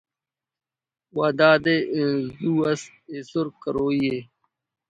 و دادے زو اس ایسر کروئی ءِ